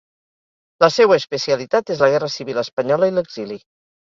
La seua especialitat és la Guerra Civil espanyola i l'exili.